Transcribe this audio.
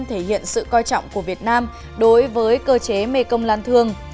thể hiện sự coi trọng của việt nam đối với cơ chế mekong lan thương